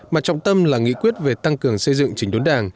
mà trọng tâm là nghị quyết về tăng cường xây dựng chính đối đảng